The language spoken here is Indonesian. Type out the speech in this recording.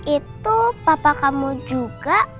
itu papa kamu juga